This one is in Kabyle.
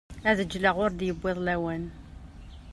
Ad ğğleɣ ur d-yewwiḍ lawan.